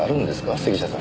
杉下さん。